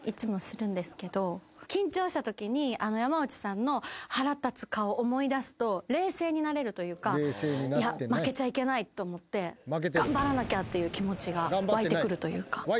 緊張したときに山内さんの腹立つ顔思い出すと冷静になれるというかいや負けちゃいけないと思って頑張らなきゃっていう気持ちが湧いてくるというか。